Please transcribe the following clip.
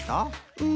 うん。